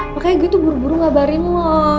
makanya gue tuh buru buru ngabarin lo